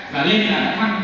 và lên là nó khoan